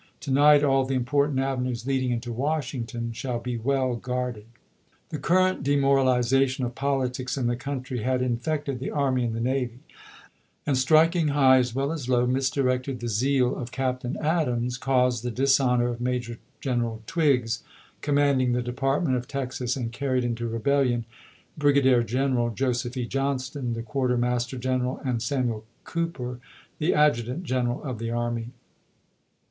To night all the important avenues leading into Wash ms. ington shall be well guarded. The current demoralization of politics in the country had infected the army and the navy ; and striking high as well as low, misdirected the zeal of Captain Adams, caused the dishonor of Major General Twiggs, commanding the Department of Texas, and carried into rebellion Brigadier General Joseph E. Johnston, the Quartermaster General, and Samuel Cooper, the Adjutant General of the Army.